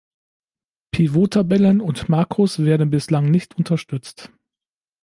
Pivot-Tabellen und Makros werden bislang nicht unterstützt.